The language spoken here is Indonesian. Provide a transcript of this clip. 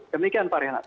demikian pak renhat